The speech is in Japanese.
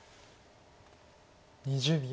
２０秒。